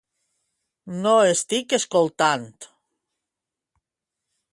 No estic escoltant.